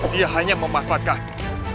dia hanya memanfaatkanmu